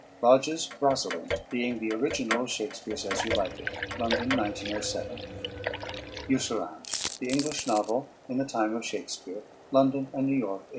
Lodge's "Rosalynde," being the Original of Shakespeare's "As You Like It," London, 1907. JUSSERAND. The English Novel in the Time of Shakespeare, London and New York, 1890.